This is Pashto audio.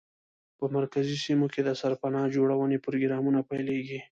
په مرکزي سیمو کې د سرپناه جوړونې پروګرام پیلېږي.